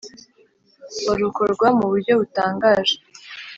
Barokorwa mu buryo butangaje